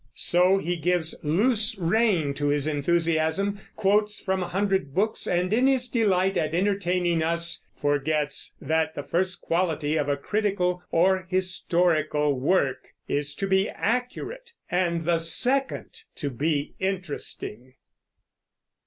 So he gives loose rein to his enthusiasm, quotes from a hundred books, and in his delight at entertaining us forgets that the first quality of a critical or historical work is to be accurate, and the second to be interesting.